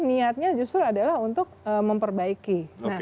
niatnya justru adalah untuk memperbaiki